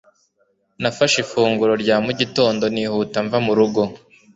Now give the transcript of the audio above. Nafashe ifunguro rya mu gitondo nihuta mva mu rugo.